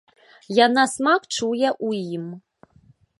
Яна смак чуе ў ім.